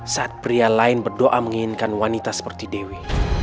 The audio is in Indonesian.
saat pria lain berdoa menginginkan wanita seperti dewi